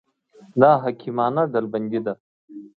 دا حکیمانه ډلبندي ده.